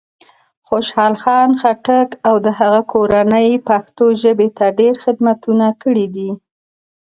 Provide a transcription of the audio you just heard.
خوشال خان خټک او د هغه کورنۍ پښتو ژبې ته ډېر خدمتونه کړي دی.